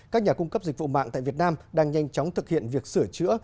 các nhà cung cấp dịch vụ mạng tại việt nam đang nhanh chóng thực hiện việc sửa chữa